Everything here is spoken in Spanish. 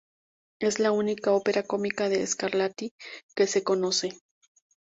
Es la única ópera cómica de Scarlatti que se conoce.